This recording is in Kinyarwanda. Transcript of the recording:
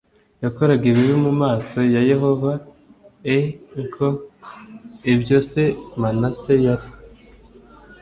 yakoraga ibibi mu maso ya yehova e nk ibyo se manase yari